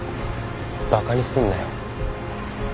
バカにすんなよ。